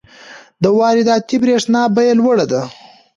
د وارداتي برښنا بیه لوړه ده.